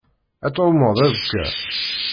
Ad tɛummeḍ azekka?